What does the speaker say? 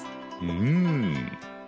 うん。